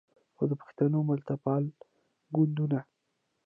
خو د پښتنو ملتپاله ګوندونو